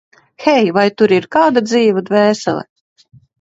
Hei, vai tur ir kāda dzīva dvēsele?